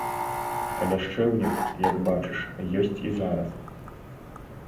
Ляшчэўнік, як бачыш, ёсць і зараз.